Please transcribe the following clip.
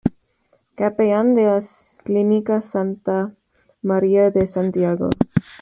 Capellán de la Clínica Santa María de Santiago.